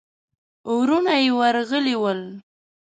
وروڼه يې ورغلي ول.